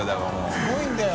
すごいんだよ。